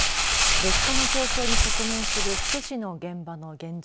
物価の上昇に直面する福祉の現場の現状。